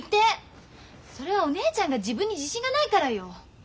それはお姉ちゃんが自分に自信がないからよ。